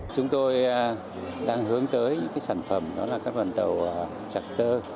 chúng tôi đang hướng tới những sản phẩm đó là các vần tàu sạc tơ